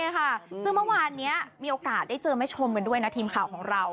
ซึ่งเมื่อวานนี้มีโอกาสได้เจอแม่ชมกันด้วยนะทีมข่าวของเรา